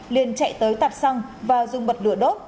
liền chạy tới tạp xăng và dùng bật lửa đốt